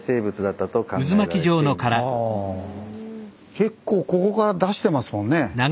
結構ここから出してますもんね。